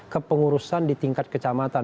kepengurusan di tingkat kecamatan